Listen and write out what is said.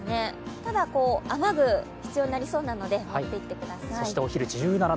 ただ、雨具が必要になりそうなので持っていってください。